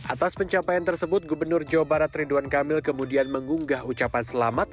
atas pencapaian tersebut gubernur jawa barat ridwan kamil kemudian mengunggah ucapan selamat